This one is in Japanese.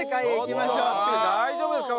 大丈夫ですか？